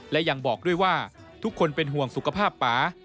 และยังบอกด้วยว่าทุกคนเป็นห่วงสุขภาพป่า